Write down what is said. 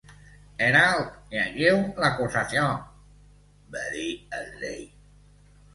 "Herald, llegiu l'acusació!" va dir el rei.